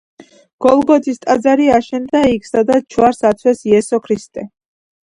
გოლგოთის ტაძარი აშენდა იქ, სადაც ჯვარს აცვეს იესო ქრისტე.